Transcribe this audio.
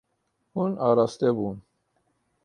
Hûn araste bûn.